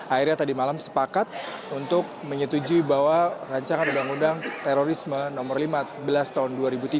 akhirnya tadi malam sepakat untuk menyetujui bahwa rancangan undang undang terorisme nomor lima belas tahun dua ribu tiga